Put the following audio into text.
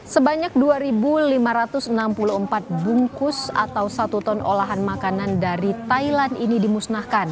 sebanyak dua lima ratus enam puluh empat bungkus atau satu ton olahan makanan dari thailand ini dimusnahkan